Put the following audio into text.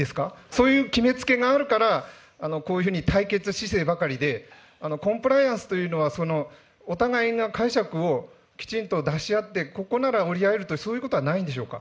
そういう決めつけがあるから、こういうふうに対決姿勢ばかりで、コンプライアンスというのは、お互いが解釈をきちんと出し合って、ここなら折り合えると、そういうことはないんでしょうか。